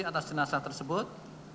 atas jenazah tersebut